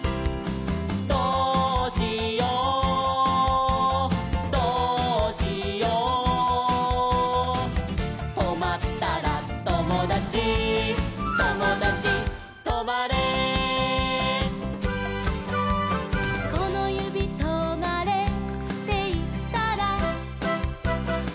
「どうしようどうしよう」「とまったらともだちともだちとまれ」「このゆびとまれっていったら」